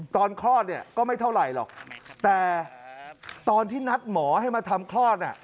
คลอดเนี่ยก็ไม่เท่าไหร่หรอกแต่ตอนที่นัดหมอให้มาทำคลอด